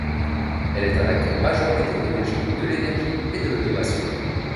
Elle est un acteur majeur des technologies de l’énergie et de l’automation.